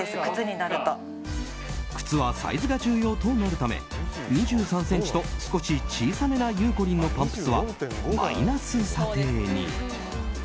靴はサイズが重要となるため２３ｃｍと少し小さめなゆうこりんのパンプスはマイナス査定に。